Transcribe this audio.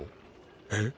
えっ？